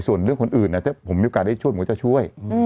ส่วนเรื่องคนอื่นถ้าผมมีโอกาสได้ช่วยผมก็จะช่วย